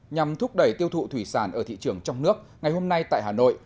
nhằm thúc đẩy tiêu thụ thủy sản ở thị trường trong nước ngày hôm nay tại hà nội